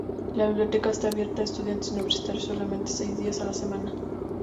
La biblioteca está abierta a estudiantes universitarios solamente, seis días a la semana.